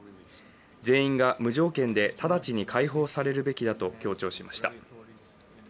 全員が無条件で直ちに解放されるべきだと強調しました。